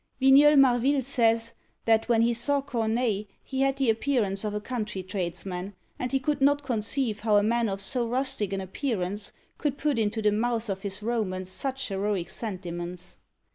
Vigneul Marville says, that when he saw Corneille he had the appearance of a country tradesman, and he could not conceive how a man of so rustic an appearance could put into the mouths of his Romans such heroic sentiments.